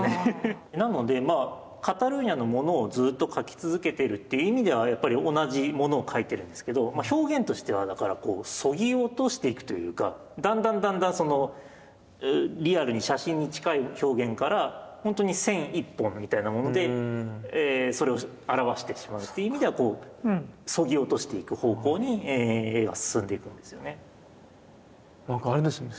なのでカタルーニャのものをずっと描き続けてるっていう意味ではやっぱり同じものを描いてるんですけど表現としてはだからこうそぎ落としていくというかだんだんだんだんリアルに写真に近い表現から本当に線一本みたいなものでそれを表してしまうって意味ではそぎ落としていく方向に絵は進んでいくんですよね。なんかあれですね。